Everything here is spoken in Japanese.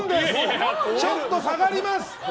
ちょっと下がります。